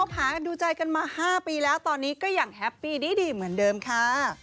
หากันดูใจกันมา๕ปีแล้วตอนนี้ก็ยังแฮปปี้ดีเหมือนเดิมค่ะ